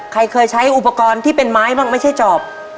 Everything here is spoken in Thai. ใครเคยใช้อุปกรณ์ที่เป็นไม้บ้างไม่ใช่จอบ